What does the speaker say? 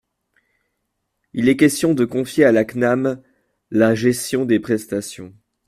Il est question de confier à la CNAM la gestion des prestations.